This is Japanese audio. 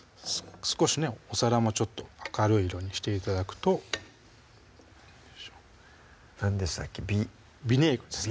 少しねお皿もちょっと明るい色にして頂くとよいしょ何でしたっけヴィヴィネーグルですね